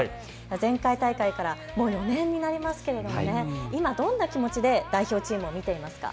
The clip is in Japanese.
前回大会からもう４年になりますが今どんな気持ちで代表チームを見ていますか。